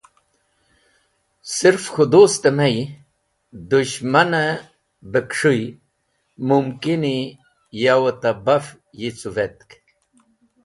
Sirf k̃hũ dust mey dushmanẽ bẽ kes̃hũy mumkini yawẽ ta baf yicũvetk